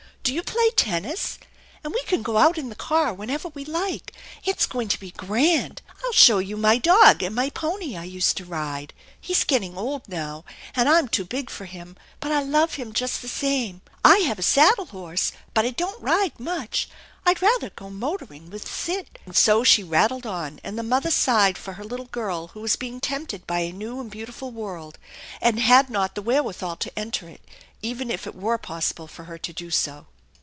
Do you play tennis ? And we can go out in the car whenever we like. It's going to be grand. Ill show you my dog and my poiiy I used to ride. He's getting old now, and I'm too big for him, but I love him just the same. I have a saddle horse, but I don't ride much. I'd rather go motoring with Sid " And so she rattled on, and the mother sighed for her little girl who was being tempted by a new and beautiful world, and had not the wherewithal to enter it, even if it were possible for her to do so.